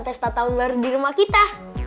pesta tahun baru di rumah kita